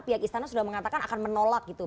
pihak istana sudah mengatakan akan menolak gitu